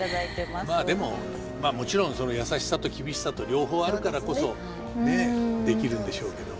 まあもちろんその優しさと厳しさと両方あるからこそねえできるんでしょうけど。